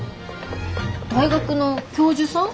大学の教授さん？